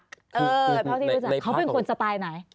เท่าที่รู้จักเขาเป็นคนสไตล์ไหน